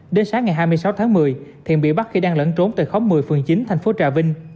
đến sáng ngày hai mươi sáu tháng một mươi thiện bị bắt khi đang lẫn trốn tại khóm một mươi phường chín thành phố trà vinh